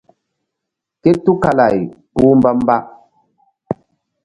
Ké tukala-ay kpúh mbamba.